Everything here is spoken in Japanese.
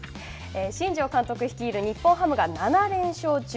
新庄監督率いる日本ハムが７連勝中。